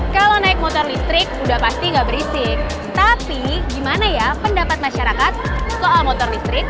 kalau naik motor listrik udah pasti gak berisik tapi gimana ya pendapat masyarakat soal motor listrik